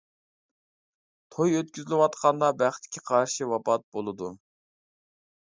توي ئۆتكۈزۈلۈۋاتقاندا بەختكە قارشى ۋاپات بولىدۇ.